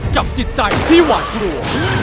จิตใจที่หวาดกลัว